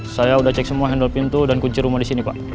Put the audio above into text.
saya udah cek semua handle pintu dan kunci rumah disini pak